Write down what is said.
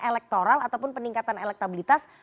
elektoral ataupun peningkatan elektabilitas